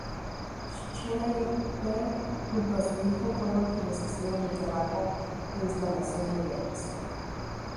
Schreiber junto a su hijo fueron quienes hicieron el trabajo de instalación y redes.